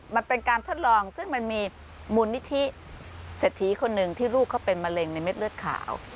มันเป็นการทดลองซึ่งมันมีมูลนิธิเศรษฐีคนหนึ่งที่ลูกเขาเป็นมะเร็งในเม็ดเลือดขาว